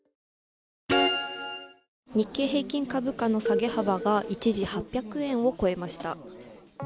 日経平均株価の下げ幅が一時８００円を超えました。